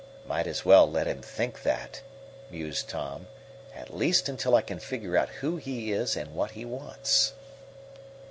"Might as well let him think that," mused Tom; "at least until I can figure out who he is and what he wants."